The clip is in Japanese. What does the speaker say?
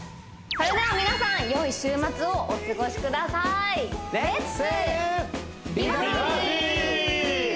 それでは皆さんよい週末をお過ごしくださいレッツ！